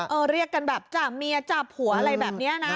เรียกกันแบบจับเมียจับหัวอะไรแบบนี้นะ